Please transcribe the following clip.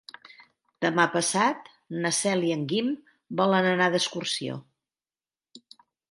Demà passat na Cel i en Guim volen anar d'excursió.